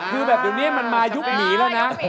คือแบบเดี๋ยวนี้มันมายุคหนีแล้วนะ